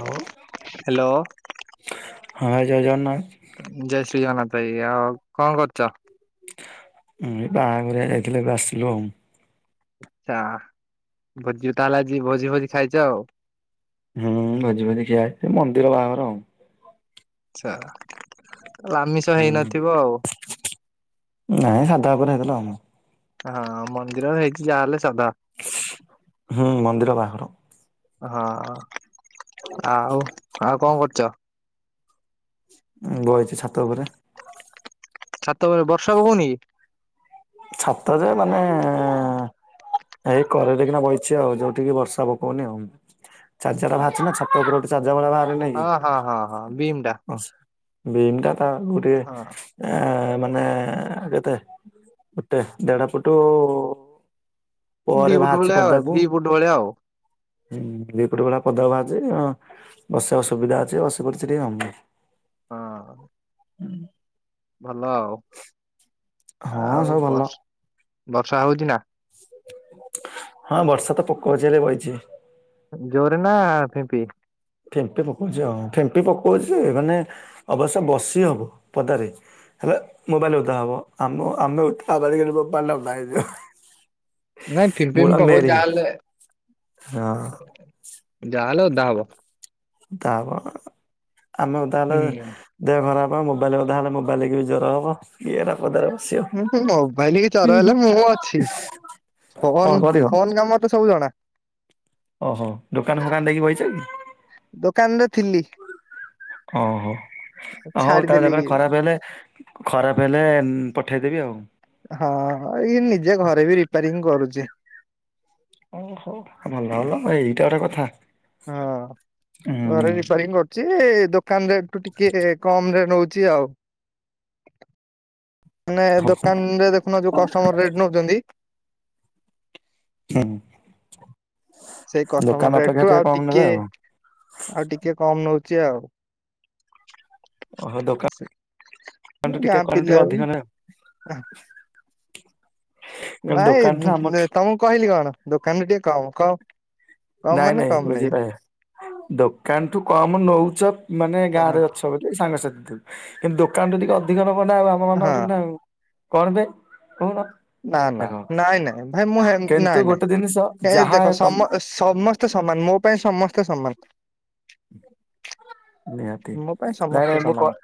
Hello hello ହଁ ଜୟ ଜଗନ୍ନାଥ୍। ଜୟ ଶ୍ରୀ ଜଗନ୍ନାଥ୍ ଭାଇ ଆଉ କଣ କରୁଛ? ଉଁ ଏ ବାହାଘରିଆ ଯାଇଥିଲୁ ଏବେ ଆସିଲୁ ଆଉ। ଆଚ୍ଛା ଭୋଜି ତାହେଲେ ଆଜି ଭୋଜି ଭୋଜି ଖାଇଚ ଆଉ। ହୁଁ ଭୋଜି ଭୋଜି ଖିଆ ହେଇଚି ମନ୍ଦିର ବାହାଘର ଆଉ। ଆଛା ତ ଆମିଷ ହୁଁ। ହେଇନଥିବ ଆଉ। ନାଇଁ ସାଧା ଉପରେ ହେଇଥିଲା ଆଉ। ହଁ ମନ୍ଦିରରେ ହେଇଛି ଯାହାହେଲେ ସ ହୁଁ ମନ୍ଦିର ବାହାଘର। ହଁ ଆଉ ଆଉ କଣ କରୁଚ? ବଇଛି ଛାତ ଉପରେ। ଛାତ ଉପରେ ବର୍ଷା ପକଉନି କି? ଛାତ ଯେ ମାନେ ଏଇ କରରେ କିନା ବଇଛି ଆଉ ଯୋଉଠିକି ବର୍ଷା ପକଉନି ଆଉ ଚାରିଜା ଟା ବାଚ ନା ଛାତ ଉପରେ ଜ ଭଳିଆ ବାହାରେ ନାଇଁ କି? ହଁ ହଁ ହଁ ହଁ ବିମ୍ ଟା ବିମଟା ତ ଗୋଟେ ହଁ ଆ ମାନେ କେତେ? ପୁଟେ ଦେଢ଼ ପୁଟୁ ଦି ଫୁଟ ଭଳିଆ ଦି ଫୁଟ ଭଳିଆ ଆଉ। ହୁଁ ଦି କୋଟି ଭଳିଆ ପଦ ବା ଅଛି ବସିବା କୁ ସୁୁବିଧା ଅଛି ବସି ପଡିଛି ଟିକେ ଆଉ। ହଁ। ହୁଁ। ଭଲ ଆଉ ହଁ ଆଉ ସବୁ ଭଲ ବଷ ବର୍ଷା ହଉଚି ନା? ହଁ ବର୍ଷା ତ ପକଉଛି ହେଲେ ବଇଛି। ଜୋରେ ନା ଫିମ୍ପି? ପିମ୍ପି ପକଉଛି ହଁ ପିମ୍ପି ପକଉଛି ମାନେ ଅବଶ୍ୟ ବସି ହବ ପଦାରେ। ହେଲେ ମୋବାଇଲ ଓଦା ହବ ଆମେ ଓଦା ହେଲେ ମୋବାଇଲ ଓଦା ହେବ। ନାଇଁ ଫିମ୍ପି ଫିମ୍ପି ପକାଉଛି ଯାହା ହେଲେ ହଁ ଯାହେଲେ ଓଦା ହବ। ତାପରେ ଆମେ ଓଦା ହେଲେ ହୁଁ। ଦେହ ଖରାପ ହ ମୋବାଇଲ କଥା ହେଲେ ମୋବାଇଲକ ବି ଜ୍ୱର ହେବ ଇଏରାପଦାର ମୁଁ ମୋବାଇଲ କୁ ଜର ହେଲେ ମୁଁ ଅଛି। କଣ ଫୋନ କରିବ। ଫୋନ କାମ ମତେ ସବୁ ଜଣା। ଓହୋ ଦୋକାନ ଫୋକାନ ଦେଇକି ବଇଛ କି? ଦୋକାନରେ ଥିଲି। ଓହୋ ହଉ ତାହେଲେ ଛାଡିଦେଲି ଏବେ ଖରାପ ହେଲେ ଖରାପ ହେଲେ ପଠାଇଦେବି ଆଉ। ହଁ ଏଇ ନିଜେ ଘରେ ବି ରିପାରିଙ୍ଗ କରୁଚି। ଓହୋ ଭଲ ହେଲା ଏଇଟା ଗୋଟେ କଥା। ହଁ ଘରେ ହୁଁ ରିପାରିଂ କରୁଛି ଦୋକାନ ରେଠୁ ଟିକେ କମ୍ ରେ ନଉଚି ଆଉ। ମାନେ ହଉ ଦୋକାନ ରେ ଦେଖୁନ ଯୋଉ କଷ୍ଟମର ରେଟ୍ ନଉଛନ୍ତି। ହୁଁ। ସେଇ ଦୋକାନ କଷ୍ଟମର ଅପେକ୍ଷା ରେଟଠୁ ଆଉ କମ ଟିକେ ନେବେ ଆଉ ଆଉ ଟିକେ କମ୍ ନଉ ଚି ଓହୋ ଦୋକାନ ଆଉ ଟିକେ ଗାଁ କଣ ଟିକେ ପିଲାବି। ଅଧିକ ନେବେ ଦୋକାନ ଠୁ ନାଇଁ ଆମ ତମକୁ କହିଲି କଣ ଦୋକାନରେ ଟିକେ କମ୍ କ ନାଇଁ ନାଇଁ ବୁଝିପାଇଲି। ଦୋକାନଠୁ କମ୍ ନଉଚ ବୋଲି ମାନେ ଗାଁ ହଁ ରେ ଅଛ ବୋଲି ସାଙ୍ଗସାଥି କି ଦୋକାନଠୁ ଟିକେ ଅଧିକ ନବ ନା ଆମ ମାନଙ୍କ ହଁ। ଠୁ ନା କଣ ପାଇଁ କହୁନ? ନା ନା ଦେଖ ନାଇଁ ନାଇଁ ଭାଇ ମୁଁ କିନ୍ତୁ ନାଇଁ ଗୋଟେ ଜିନିଷ ନାଇଁ ଯାହା ଦେଖ ତମ ସମ ସମସ୍ତେ ସମସ୍ତେ ସମାନ ମୋ ପାଇଁ ସମସ୍ତେ ସମାନ। [inaudible] ନିହାତି ମୋ ପାଇଁ ନାଇଁ ସମସ୍ତେ ନାଇଁ ମୁଁ ସମାନ।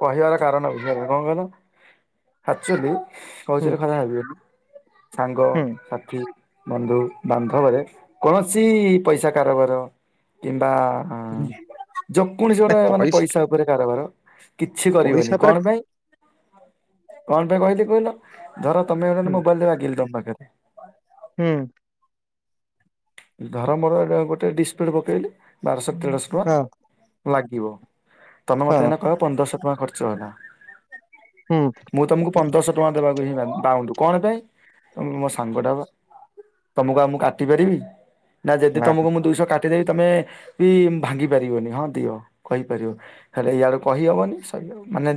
କହିବାର କାରଣ ବୁଝ କଣ କହିଲ? ଆକ୍ଚୁଲି କହୁଚି ହୁଁ ବୋଲି ଖରାପ ଭାବିବନି ସାଙ୍ଗ ହୁଁ ସାଥି ବନ୍ଧୁ ବାନ୍ଧବରେ କୌଣସି ପଇସା କାରବାର କି ବା ହୁଁ ଯେ କୌଣସି ଗୋଟେ ମାନେ ପଇସା ଉପରେ କାରବାର। କିଛି କରିବନି ପଇସା ପରା କଣ ପାଇଁ କଣ ପାଇଁ କହିଲି କୋହୁନ? ଧର ତମେ ହୁଁ ମୋବାଇଲ ଦେ ମାଗିଲ ତମ ପାଖରେ? ହୁଁ। ଧର ମୋର ଗୋଟେ ଡିସ୍ପ୍ଲେ ପକେଇଲେ ବାରଶହ ତେରଶହ ଟଙ୍କା ହଁ ଲାଗିବ। ତମେ ହଁ ମତେ ଏଇନା କହିବ, ପନ୍ଦରଶହ ଟଙ୍କା ଖର୍ଚ୍ଚ ହେଲା। ହୁଁ ମୁଁ ତମକୁ ପନ୍ଦରଶହ ଟଙ୍କା ଦେବାକୁ ହିଁ ବା- ପାଉଣ୍ଡ କଣ ପାଇଁ? ତମେ ମୋ ସାଙ୍ଗ ଟା ପା। ତମକୁ ଆଉ ମୁଁ କାଟି ପାରିବି। ନା ଯଦି ତମକୁ ମୁଁ ଦୁଇଶହ କା ଟି ଦେବି ତମେ ବି ଭାଙ୍ଗି ପାରିବନି, ହଁ ଦିଅ କହିପାରିବ। ହେଲେ ଇଆଡୁ କହିହବନି ସ ମାନେ,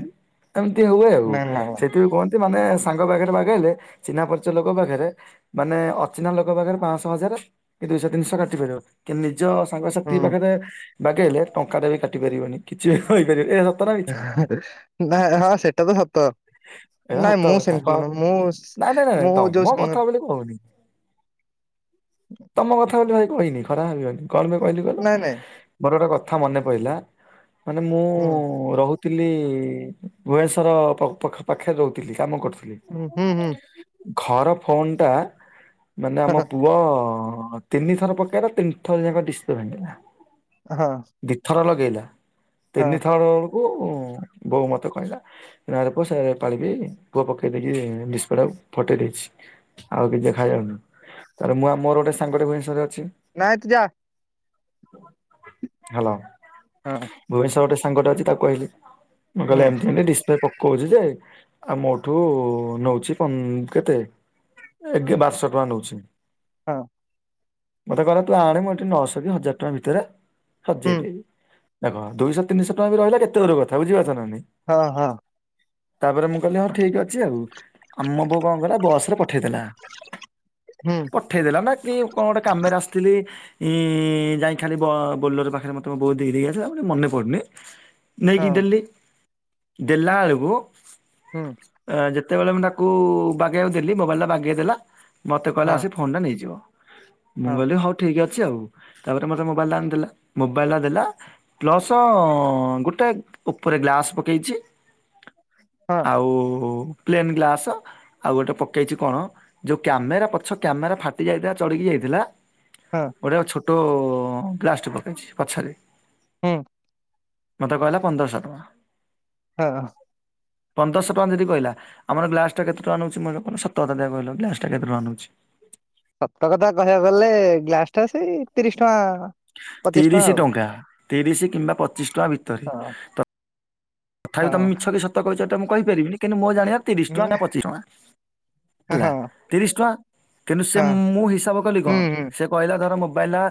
ଏମିତି ହୁଏ ଆଉ। ନା ନା ନା। ସେଥି ପାଇଁ କୁହ ନ୍ତି, ମାନେ ସାଙ୍ଗ ପାଖରେ ବାଗେଇଲେ, ଚିହ୍ନା ପରିଚୟ ଲୋକ ପାଖରେ, ମାନେ ଅଚିହ୍ନା ଲୋକ ପାଖରେ, ପାଞ୍ଚଶହ ହଜାର କି ଦୁଇଶହ, ତିନିଶହ କାଟି ପାରିବ, କିନ୍ତୁ ନିଜ ସାଙ୍ଗସାଥି ହୁଁ ପାଖରେ ବାଗେଇଲେ, ଟଙ୍କା ଟିଏ ବି କାଟି ପାରିବନି। କିଛି ବି କହିପାରିବନି। ଏହା ସତ। ନା ମିଛ? ନା ହଁ, ସେଟା ତ ସତ। ଏରା ନାଇଁ ସତ ମୁଁ କଥା କ ସେମିତି ନୁହଁ। ମୁଁ, ନାଇଁ ନାଇଁ ନାଇଁ ସେ-ଯୋଉ ତମ କଥା ସାଙ୍ଗ ବୋଲି କହୁନି। ତମ କଥା ଭାଇ କହିନି, ଖରାପ ଭାବିବନି। କଣ ପାଇଁ କହିଲି କହିଲ? ନାଇଁ ନାଇଁ ମୋର ଗୋଟେ କଥା ମନେ ପହିଲା ମାନେ, ମୁଁ ହୁଁ ରହୁଥିଲି ଭୁବନେଶ୍ୱର୍ ପ ପଖ-ପାଖରେ ରହୁଥିଲି। କାମ କରୁଥି ହୁଁ, ହୁଁ ହୁଁ। ଘର ଫୋନ୍ ଟା ମାନେ ଆମ ପୁଅ ହଁ। ତିନି ଥର ପକେଇଲା, ତିନି ଥର ଯାକ ଡିସ୍ପ୍ଲେ ଭାଙ୍ଗିଲା। ହଁ ଦିଥର ଲଗେଇଲା ତିନି ହଁ ଥର ବେଳକୁ, ବୋଉ ମତେ କହିଲା। ଆରେ ପୁଅ ସେ ପାଳିବି, ପୁଅ ପକେଇ ଦେଇକି ଡିସ୍ପ୍ଲେ ଟାକୁ ଫଟେଇ ଦେଇଛି, ଆଉ କିଛି ଦେଖ ଯାଉନି। ତା ପରେ ମୁଁ ଆଉ ମୋର ଗୋଟେ ସାଙ୍ଗ ଟେ ଭୁବନେଶ୍ବର ନାଇ ତୁ ଯା। ହାଲୋ। ହଁ ଭୁବନେଶ୍ୱରର ଗୋଟେ ସାଙ୍ଗଟେ ଅଛି ତାକୁ କହିଲି। ମୁଁ ହୁଁ କହିଲି ଏମିତି ଏମତି ଡିସ୍ପ୍ଲେ ପକେ କହୁଛି ଯେ ଆଉ ମୋଠୁ ନଉଛି ପ-କେତେ? ଏଗେ- ବାରଶହ ଟଙ୍କା ନଉଛି। ହଁ। ମତେ କହିଲା, ତୁ ଆଣେ ମୁଁ ଏଠି ନଶହ କି ହଜାର ଟଙ୍କା ଭିତରେ, ହୁଁ ସଜେଇଦବି। ଦେଖ ଦୁଇଶହ ତିନିଶହ ଟଙ୍କା ବି ରହିଲେ ବି କେତେ ଦୂର କଥା। ବୁଝିପାରୁଛ ନା? ନାଇଁ ହଁ ହଁ। ତାପରେ ମୁଁ କହିଲି ହଁ ଠିକ ଅଛି ଆଉ। ଆ ମୋ ବୋଉ କଣ କଲା ବସରେ ପ ପଠେଇଦେଲା। ହୁଁ ପଠେଇଦେଲା ନା କି କଣ, ଗୋଟେ କାମରେ ଆସିଥିଲି। ଇ, ଯାଇ ଖାଲି ବୋ-ବୋଲର ପାଖରେ ମୋତେ ମୋ ବୋଉ ଖାଲି ଦେଇ ଦେଇକି ଆସେ, ତ ମନେ ପଡୁନି। ହଁ ନେଇକିଦେଲି। ଦେଲାବେଳକୁ ହୁଁ। ଯେତେବେଳେ ମୁଁ ତାକୁ ବାଗେଇବାକୁ ଦେଲି, ମୋବାଇଲ୍ ଟା ବାଗେଇ ଦେଲା। ମତେ କହିଲା ହଁ ସେ ଫୋନ୍ ଟା ନେଇଯିବ। ମୁଁ ହଁ। କହଲି ହଉ ଠିକ୍ ଅ ଛି ଆଉ। ତାପରେ ମତେ ମୋବାଇଲ୍ ଟା ଆଣିକି ଦେଲା। ମୋବାଇଲ୍ ଟା ଦେଲା, ପ୍ଲସ୍ ଗୋଟେ ଉପରେ ଗ୍ଲାସ୍ ପକେଇଛି। ହଁ ଆଉ। Plain glass. ଆଉ ଗୋଟେ ପକେଇଛି କଣ? ଯୋଉ କ୍ୟାମେରା ପଛ କ୍ୟାମେରା ଫାଟି ଯାଇଥିଲା, ଚଢ଼ିକି ଯାଇ ଦେଲା। ହଁ ଗୋଟେ ଛୋଟ ଗ୍ଲାସ୍ ଟି ପକେଇଛି ପଛରେ। ହୁଁ। ମତେ କହିଲା ପନ୍ଦରଶହ ଟଙ୍କା। ହଁ ପନ୍ଦରଶହ ଟଙ୍କା ଯଦି କହିଲା। ଆମାର ଗ୍ଲାସ୍ ଟା କେତେ ଟଙ୍କା ନେଉଛି? ସତ କଥା ଦେଖିଆ କହିଲ, ଗ୍ଲାସ୍ ଟା କେତେ ଟଙ୍କା ନଉଛି? ସତ କଥା କହିବାକୁ ଗଲେ, ଗ୍ଲାସ୍ ଟା ସେଇ ତିରିଶ ଟଙ୍କା। ପଚିଶ ତିରିସି ଆଉ ଟଙ୍କା। ତିରିଶ କିମ୍ବା ପଚିଶ ଟଙ୍କା ଭିତରେ। ହଁ ତ ଥାପି, ତମେ ହଁ ମିଛ କି ସତ କହିଛ ଏଟା ମୁଁ କହିପାରିବିନି, କିନ୍ତୁ ମୋ ଜାଣିବା ରେ ତିରିଶ ହୁଁ, ଟଙ୍କା ବା ପଚିଶ ଟଙ୍କା। ହେଲା। ହଁ ତିରିଶ ଟଙ୍କା କିନ୍ତୁ ସେ, ହଁ ମୁଁ ହିସାବ କଲି ହୁଁ କଣ, ହୁଁ ସେ କହିଲା ଧର ଭାଇନା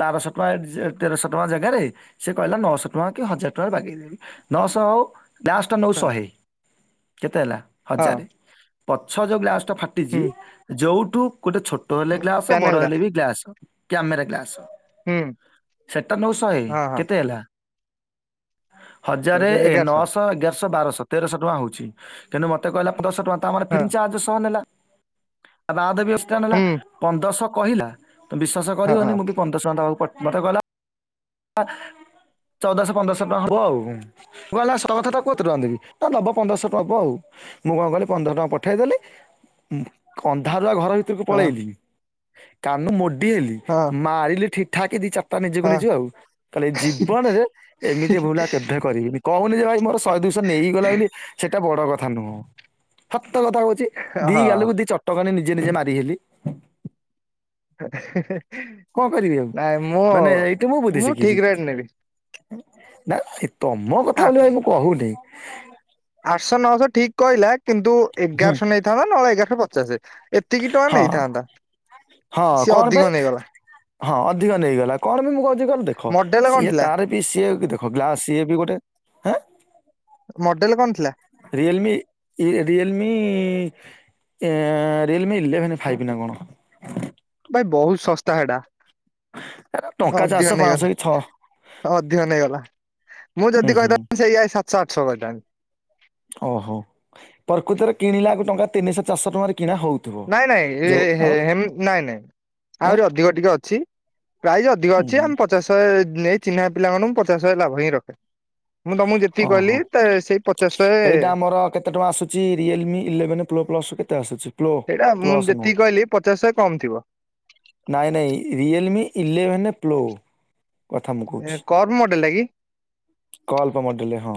ବାରଶହ ଟଙ୍କା ତେରଶହ ଟଙ୍କା ଜାଗାରେ ସେ କହିଲା ନଅଶହ ଟଙ୍କା କି ହଜାର ଟଙ୍କାରେ ବାଗେଇବି। ନଶ ତଉ ଲାଷ୍ଟ ନଉ ହଁ ଶହେ କେତେ ହେଲା ହଁ ହଜାରେ ପଛ ଯୋଉ ବ୍ଲାଉସ ଫାଟିଛି ହୁଁ ଯୋଉଠୁ ଗୋଟେ ଛୋଟ ହେଲେ ହୁଁ ଗ୍ଲାସ ବଡ ପ୍ୟାନେଲ ଟା ହେଲେ ବି ଗ୍ଲାସ। କ୍ୟାମେରା ଗ୍ଲାସ ହୁଁ ସେଟା ନଉ ଶହେ ହଁ ହଁ କେତେ ହେଲା? ହଜାରେ ଏବେ ଏ ଏଗାରଶହ ନଅଶ ଏଗାରଶ ଶ ବାରଶ ତେରଶ ଟଙ୍କା ହଉଛି କିନ୍ତୁ ମତେ କହିଲା ପନ୍ଦରଶ ଟଙ୍କା ତା ମାନେ ହଁ ଫିଟିଙ୍ଗ ଚାର୍ଜ ସହ ନେଲା। ଆ ବାଦେ ବି ଏଷ୍ଟ୍ରା ନେଲା ହୁଁ ପନ୍ଦରଶ କହିଲା ତ ବିଶ୍ଵାସ ହଁ କରିବନି ହଁ ମୁଁ ବି ପନ୍ଦରଶ ଟଙ୍କା ତାକୁ ପ ମୋତେ କହିଲା କା ଆ ଚଉଦଶ ପନ୍ଦରଶ ଟଙ୍କା ହବ ଆଉ କହିଲା କଥା [unintelligible] ଦେବି ଦବ ପନ୍ଦରଶ ଦବ ଆଉ। ମୁଁ କଣ କଲି ପନ୍ଦର ଟଙ୍କା ପଠେଇଦେଲି କନ୍ଧ ଘର ଭିତରକୁ ହଁ ପଳେଇଲି କାନ ମୋଡି ହେଲି ହଁ ମାରିଲି ଠିକଠାକ ଦି ଚା ତା ନିଜକୁ ହଁ ନିଜେ ଆଉ ତା ଏ ଜୀବନରେ ଏମିତି ଭୁଲ ଆଉ କେବେ କରିବିନି କହୁନି ଯେ ଭାଇ ମୋର ଶହେ ଦୁଇଶ ନେଇ ଗଲା ବୋଲି ସେଇଟା ବଡ କଥା ନୁହଁ। ତ କଥା କହୁଛି ଦି ହଁ ଗାଲକୁ ଦି ଚଟକଣି ନିଜେ ନିଜେ ମାରି ହେଲି। ହେ ହେ କଣ କରିବି ଆଉ। ନାହିଁ ମୁଁ ମାନେ ଏଇଠି ବୁଦ୍ଧି ମୁଁ ଶିଖିଲି ଠିକ ରେଟ ନେବି ନା ଏ ତମ କଥା ଆ- ବୋଲି ଭାଇ ମୁଁ କହୁନି ଆଠଶହ ନଅଶହ ଠିକ କହିଲା କିନ୍ତୁ ହୁଁ ଏଗାରଶହ ନେଇଥାନ୍ତା ନହେଲେ ଏଗାରଶହ ପଚାସେ ଏତିକି ଟଙ୍କା ହଁ ନେଇଥାନ୍ତା। ହଁ ସିଏ କଣ ପାଇଁ ଅଧିକ ନେଇଗଲା। ହଁ ଅଧିକ ନେଇଗଲା କଣ ପାଇଁ ମୁଁ କହୁଛି କହିଲ ଦେଖ ମଡେଲ କଣ ସିଏ ଥିଲା ତାର ବିି ସିଏ ହଁ ଗ୍ଲାସ ସିଏ ବି ଗୋଟେ ହେଁ ମଡେଲ କଣ ଥିଲା? ରୟଲମ ରୟଲମି ଏ ରିୟଲମି ଇଲେଭେନ ଫାଇଭ୍ ନା କଣ ହେ ବହୁତ ଶସ୍ତା ହେଟା ଏରା ଟଙ୍କା ଅଧିକ ଚାରିଶହ ପାଞ୍ଚଶହ ନେଇଗଲା କି ଛଅ ଅଧିକ ନେଇଗଲା। ମୁଁ ହୁଁ ଯଦି ହୁଁ କହିଥାନ୍ତି ସେଇଆା ସାତଶହ ଆଠଶହ କହିଥାନ୍ତି ଓହୋ। ପ୍ରକୃତରେ କିଣିଲା କୁ ଟଙ୍କା ତିନିଶହ ଚାରିଶହ ଟଙ୍କାରେ କିଣା ହଉଥିବ ନାଇଁ ନାଇଁ ଯୋଉ ହେ ଆଉ ନାଇଁ ନାଇଁ ଆଁ ଆହୁରି ଅଧିକ ଟିକେ ଅଛି ପ୍ରାଇସ୍ ଅଧିକ ଅଛି ଆମେ ପଚାଶ ଶହେ ନେଇ ଚିହ୍ନା ପିଲାମାନଙ୍କୁ ପଚାଶ ଶହେ ଲାଭ ହିଁ ରଖେ ମୁଁ ତମକୁ ଓହୋ। ଯେତିକିହିଲି ତା ସେଇ। ପଚାଶ ଶହେ ଏଇଟା ଆମର କେତେ ଟଙ୍କା ଆସୁଛି। ରିଏଲମି ଇଲେଭେନ ପ୍ରୋ ପ୍ଲସ କେତେ ଆସୁଛି। ପ୍ରୋ ସେଇଟା ମୁଁ ପ୍ଲସ ନୂହ। ଯେତିକି କହିଲି ପଚାଶ ଶହେ କମ ଥିବ। ନାହିଁ ନାହିଁ ରିଏଲ ଲମି ଇଲେଭେନ ପ୍ରୋ। ଏ କର୍ଭ ମଡେଲ ଟା କି? କର୍ଭ ମଡେଲ ହଁ।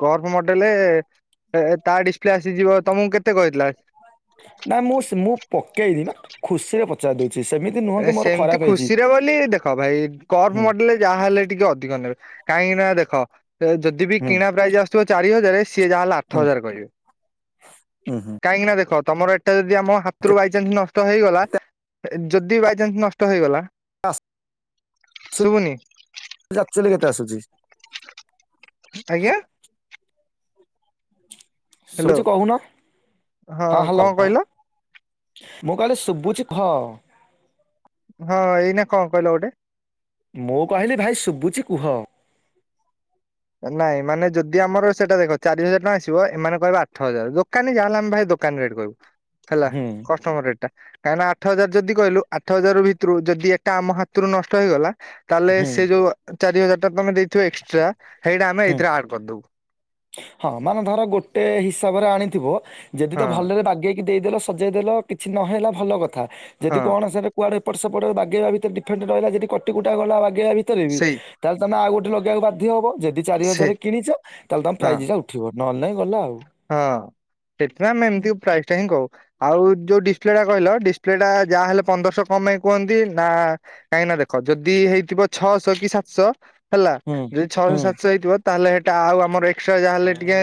କର୍ଭ ମଡେଲ ତା ଡିସପ୍ଲେ ଆସିଯିବ, ତମକୁ କେତେ କହିଥିଲା? ନା ମୁଁ ମୁଁ ପକେଇନି ନା ଖୁସିରେ ପଚାରି ଦଉଛିି ସେମିତି ଖୁସିରେ ବୋଲି ଦେଖ ଭାଇ କର୍ଭ ହୁଁ ମଡେଲ ଯାହାହଲେ ବି ଟିକେ ଅଧିକ ନେବେ। କାହିଁକି ନା ଦେଖ ଯଦି ବି ହୁଁ କିଣା ପ୍ରାଇସ୍ ଆସୁଥିବ ଚାରି ହଜାରାରେ ସିଏ ଯାହା ହେଲେ ଆଠ ହୁଁ ହଜାର କହିବେ। ହୁଁ ହୁଁ କାହିଁକି ନା ଦେଖ ତମର ଏଟା ଯଦି ଆମ କେତେ ହାତରୁ ବାଇଚନ୍ସ ନଷ୍ଟ ହେଇଗଲା ଯଦି ବାଇଚନ୍ସ ନଷ୍ଟ ହେଇଗଲା [inaudible] ଶୁଭୁନି ଏଟା ଆକ୍ଚୁଆଲି କେତେ ଆସୁଛି? ଆଜ୍ଞା ହ୍ୟାଲୋ ସୂଚୀ କହୁନ ହଁ ହ୍ୟାଲୋ କଣ କହିଲ ମୁଁ କହଲି [inaudible] ହଁ ଏଇନେ କଣ କହିଲ ଗୋଟେ। ମୁଁ କହିଲି ଭାଇ ଶୁଭୁଚି କୁହ? ନାଇଁ ମାନେ ଯଦି ଆମର ସେଇଟା ଦେଖ ଚାରି ହଜାର ଟଙ୍କା ଆସିବ ଏମାନେ କହିବେ ଆଠ ହଜାର ଦୋକାନୀ ଯାହା ହେଲେ ଆମେ ଭାଇ ଦୋକାନି ରେଟେ କହିବୁ ହେଲା ହୁଁ କଷ୍ଟମ ରେଟ କାହିଁକି ନା ଆଠ ହଜାର ଯଦି କହିଲୁ ଆଠ ହଜାର ଭିତରୁ ଯଦି ଏଟା ଆମ ହାତରୁ ନଷ୍ଟ ହେଇଗଲା ତାହେଲେ ହୁଁ ସେ ଯୋଉ ଚାରି ହଜାର ଟା ତମେ ଦେଇଥିବ ଏକ୍ସଟ୍ରା ସେଇଟା ଆମେ ହୁଁ ଏଇଥିରେ ଆଡ କରିଦବୁ ହଁ ମାନେ ଧର ଗୋଟେ ହିସାବରେ ଆଣିଥିବୁ ଯେଦି ତ ହଁ ଭଲରେ ବାଗେଇକି ଦେଇଦେଲ ସଜେଇଦେଲ କିଛି ନହେଲା ଭଲ କଥା। ଯଦି ହଁ କଣ ସେ କୁଆଡେ ଏଟ ସେପଟ ବାଗେଇବା ଭିତରେ ଡିଫେଣ୍ଡେ ରହିଲ ଯଦି କଟି କୁଟା ଗଲା ଲଗେଇବା ଭିତରେ ବି ସେଇ ତାହେଲେମେ ଆଉ ଗୋଟେ ଲେଇବାକୁ ବାଧ୍ୟ ଯଦି ଚାରି ସେ ହଜାର କିଣିଛ ତାହେଲେ ତମ ହଁ। ପ୍ରାଇଜ୍ଇଟା ଉଠିବ ନହେଲେ ନାହିଁ ଗଲା ଆଉ। ହଁ ସେଥିପାଇଁ ଆମେ ଏମିତି ପ୍ରାଇଜ୍ ଟା ହିଁ କହୁ ଆଉ ଯୋଉ ଡିସପ୍ଲେ ଟା କହିଲ ଡିସପ୍ଲେ ଟା ଯାହାହଲେ ପନ୍ଦରଶହ କମେଇକି କୁହନ୍ତି ନା ଦେଖ ଯଦି ହେଇଥିବ ଛଅଶହ କି ସାତଶହ ହେଲା ହୁଁ ଯଦି ଛଅଶହ ହୁଁ। ସାତଶହ ହେଇଥିବ ତାହେଲେ ସେଇଟା ଆଉ ଆମର ଏକ୍ଟ୍ରା ଯାହାହେଲେ ଟିକେ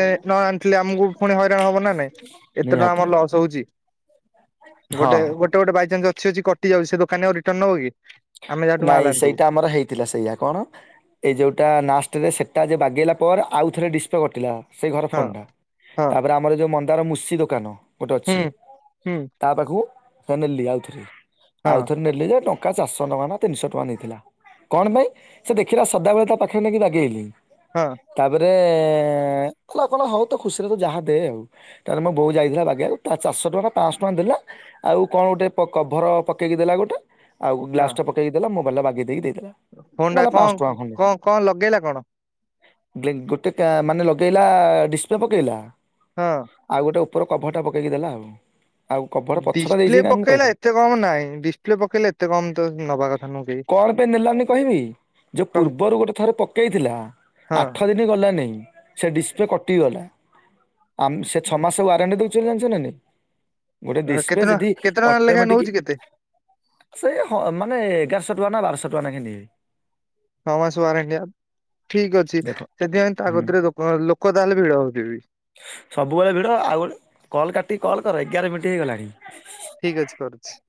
ଥିଲେ ଆମକୁ ପୁଣି ହଇରାଣ ହବ ନା ନାଇଁ ଏତେ ଟଙ୍କା ନିହାତି ଆମର ଲସ୍ ହଉଛି। ହଁ ଗୋଟେ ଗୋଟେ ଗୋଟେ ବାଇଚାନ୍ସ ଅଛି ଅଛି କଟିଯାଉଛି ସେ ଦୋକାନୀ ଆଉ ରିଟର୍ନ ନବ କି? ଆମେ ଯାହାଠୁ ମାଲ୍ ନାଇଁ ଆଣିଥିବୁ। ସେଇଟା ଆମର ହେଇଥିଲା ସେଇୟଆ କଣ ଏଇ ଯୋଉଟା ଲାଷ୍ଟେରେ ସେଟା ଯେ ଗଲା ପରେ ଆଉ ଥରେ ଡିସ୍ପ୍ଲେ କଟିଲା ସେଇ ଘର ହଁ ଫୋନ୍ ଟା ହଁ ତାପରେ ଆମର ଯୋଉ ମନ୍ଦାର ମୁଷି ଦୋକାନ ଗୋଟେ ହୁଁ ଅଛି ହୁଁ ତା ପାଖକୁ ହଁ ନେଲି ଆଉଥରେ ହଁ ଆଉଥରେ ନେଲି ଯେ ଏ ଚାରିଶହ ଟଙ୍କା ନା ତିନିଶହ ଟଙ୍କା ନେଇଥିଲା କଣ ପାଇଁ ସେ ଦେଖିଲା ସଦାବେଳେ ତା ପାଖରେ ନେଇକି ଦାଗିେଇଲି। ହଁ ତାପରେ ହେଁ କ ଆପଣ ହଉ ତ ଖୁସିରେ ତ ଯାହା ଦେ ଆଉ ତାହେଲେ ମୋ ବୋଉ ଯାଇଥିଲା ବାଗେଇ ବାକୁ ତାର ଚାରିଶ ଟଙ୍କା ପାଞ୍ଚଶହ ଟଙ୍କା ଦେଲା। ଆଉ କଣ ଗୋଟେ ପ କଭର ପକେଇକି ଦେଲା ଗୋଟେ ଆଉ ଗ୍ଲାସ ଟା ପକେଇକି ଦେଲା ମୋବାଇଲ ବାଗି ଦେଇ ଫୋନ ଟା ଙ୍କ ଙ୍କ ଙ୍କ ଲଗେଇଲା କଣ? ଗେ ଗୋଟେ କା ମାନେ ଲଗେଇଲା ଡିସପ୍ଲେ ପକେଇଲା ହଁ। ଆଉ ଗୋ ଉପର କଭରଟା ପକେଇକି ଦେଲା ଆଉ। ଆଉ କଭର ପଛଟା ଡିସପ୍ଲେ ଦେଇଛି ନା ମୁଁ ପକେଇଲା କହିବି ଏତେ କମ ନାଇଁ ଡିସପ୍ଲେ ପକେଇଲେ ଏତେ କମ ତ ନବା କଥା ନୁହ କଣ ପାଇଁ ନେଲାନି କହିବି ଯୋଉ କଣ ପୂର୍ବରୁ ଗୋଟେ ଥରେ ପକେଇଥିଲା ପାଇଁ ଆଠ ଦିନ ଗଲା ନାଇଁ ସେ ଡିସପ୍ଲେ ଟିଗଲା ଆମ୍ ସେ ଛଅ ମାସେ ୱାରେଣ୍ଟି ଦୋଉଚି ବୋଲି ଜାଣିଚ ନା ନାହିଁ? ଗୋଟେ ହଁ ଡିସପ୍ଲେ କେତେ ଟଙ୍କା ଯଦି କେତେ ଟଙ୍କା ଲେଖା ଅଟୋମେଟିକ ନଉଛି କେତେ ସେ ହଁ। ଏ ଏଗାରଶ ଟଙ୍କା ନା ବାରଶହ ଟଙ୍କା ନାଖେ ନିଏ। ଛ ମାସ ୱାରେଣ୍ଟିଆ ଠିକ ଅଛି ଦେଖ ସେଥିପାଇଁ ତା ହୁଁ କତିରେ ଲୋକ ଲୋକ ତାହଲେ ଭିଡ ହଉଥିବି। ସବୁବେଳେ ଭିଡ଼ ଆଉ ଗୋଟେ କଲ୍ କାଟିିକୀ କଲ୍ କରେ ଏଗାର ମିନିଟ୍ ହେଇଗଲାଣି। ଠିକ ଅଛି କରୁଚି।